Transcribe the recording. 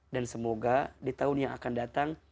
dan semoga di tahun yang akan datang